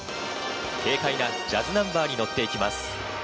軽快なジャズナンバーに乗って行きます。